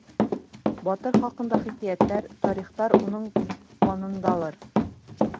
Батыр хаҡында хикәйәттәр, тарихтар уның ҡанындалыр.